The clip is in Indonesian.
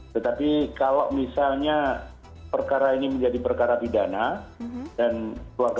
tetapi kalau misalnya perkara ini menjadi perkara pidana dan keluarga